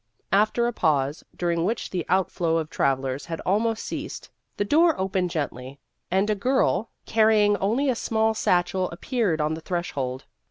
After a pause, during which the out flow of travellers had almost ceased, the door opened gently, and a girl carrying 128 Vassar Studies only a small satchel appeared on the threshold.